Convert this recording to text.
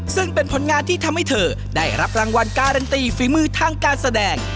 ซึ่งเป็นผลงานที่ทำให้เธอได้รับรางวัลการันตีฝีมือทางการแสดง